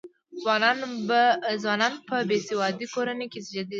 ځوانان په بې سواده کورنیو کې زېږېدل.